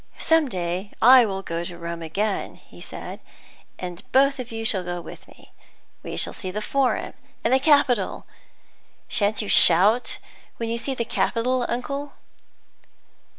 "Some day I will go to Rome again," he said, "and both of you shall go with me. We shall see the Forum and the Capitol! Sha'n't you shout when you see the Capitol, uncle?"